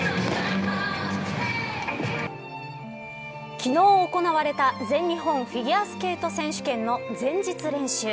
昨日行われた全日本フィギュアスケート選手権の前日練習。